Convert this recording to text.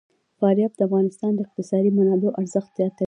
فاریاب د افغانستان د اقتصادي منابعو ارزښت زیاتوي.